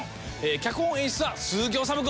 脚本・演出は鈴木おさむ君。